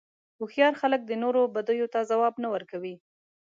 هوښیار خلک د نورو بدیو ته ځواب نه ورکوي.